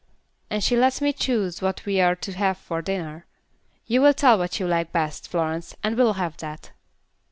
And she lets me choose what we are to have for dinner. You tell what you like best, Florence, and we'll have that."